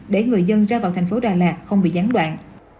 để người dân ra vào thành phố đà lạt không bị gián đoạn